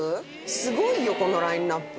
すごいよ、このラインナップ。